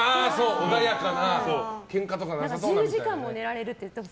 穏やかなけんかとかなさそうな。